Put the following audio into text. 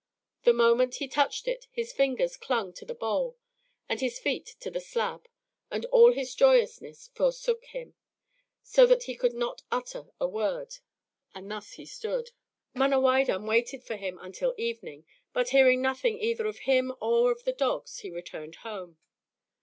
The moment he touched it, his fingers clung to the bowl, and his feet to the slab; and all his joyousness forsook him so that he could not utter a word. And thus he stood. Manawydan waited for him until evening, but hearing nothing either of him or of the dogs, he returned home.